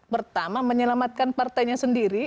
pertama menyelamatkan partainya sendiri